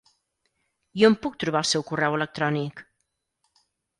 I on puc trobar el seu correu electrònic?